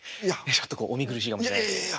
ちょっとお見苦しいかもしれません。